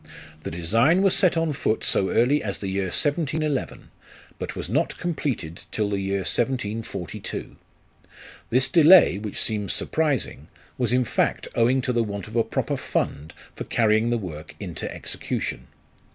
The design was set on foot so early as the year 1711, but was not completed till the year 1742. This delay, which seems surprising, was in fact owing to the want of a proper fund for carrying the work into execution.